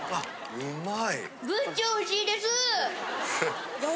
うまい。